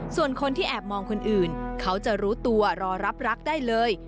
ส่วนคนที่แอบมองคนอื่นเขาจะรู้ตัวรอรับรักได้เลย